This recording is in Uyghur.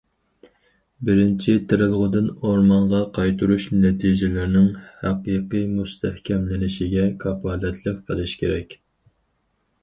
بىرىنچى، تېرىلغۇدىن ئورمانغا قايتۇرۇش نەتىجىلىرىنىڭ ھەقىقىي مۇستەھكەملىنىشىگە كاپالەتلىك قىلىش كېرەك.